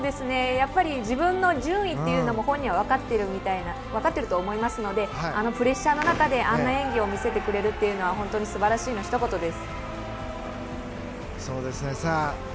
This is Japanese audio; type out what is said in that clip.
やっぱり自分の順位というのも本人もわかっていると思いますのであのプレッシャーの中であんな演技を見せてくれるというのは本当に素晴らしいのひと言です。